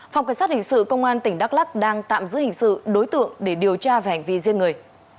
phòng cảnh sát hình sự công an tỉnh đắk lắc đang tạm giữ hình sự đối tượng để điều tra về hành vi giết người